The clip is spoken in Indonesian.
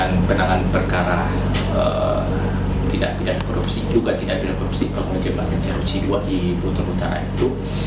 dengan penahanan perkara tidak bidang korupsi juga tidak bidang korupsi pembangunan jembatan cirauchi ii di buton utara itu